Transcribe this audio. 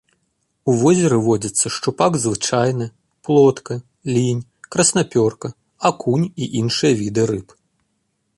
У возеры водзяцца шчупак звычайны, плотка, лінь, краснапёрка, акунь і іншыя віды рыб.